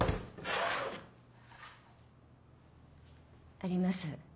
あります。